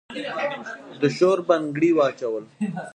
د شور بنګړي واچول